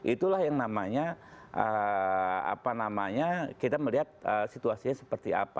itulah yang namanya kita melihat situasinya seperti apa